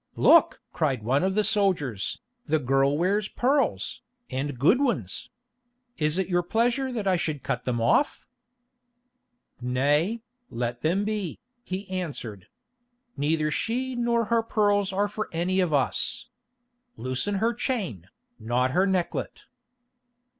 "Look!" cried one of the soldiers, "the girl wears pearls, and good ones. Is it your pleasure that I should cut them off?" "Nay, let them be," he answered. "Neither she nor her pearls are for any of us. Loosen her chain, not her necklet."